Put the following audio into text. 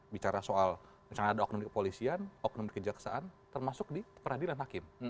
bicara soal misalnya ada oknum di kepolisian oknum di kejaksaan termasuk di peradilan hakim